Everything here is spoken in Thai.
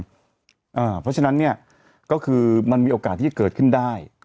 เพราะฉะนั้นเนี่ยก็คือมันมีโอกาสที่จะเกิดขึ้นได้